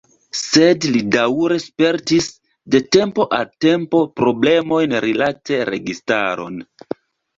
Sed li daŭre spertis, de tempo al tempo, problemojn rilate registaron.